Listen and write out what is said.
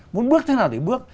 muốn bước thế nào thì bước